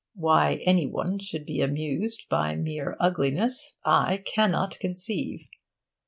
Why any one should be amused by mere ugliness I cannot conceive.